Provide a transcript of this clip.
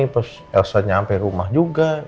terus elsa nyampe rumah juga